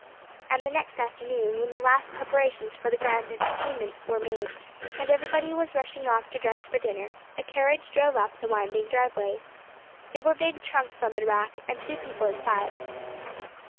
And the next afternoon, when the last preparations for the grand entertainment were made, and everybody was rushing off to dress for dinner, a carriage drove up the winding driveway. There were big trunks on the rack, and two people inside.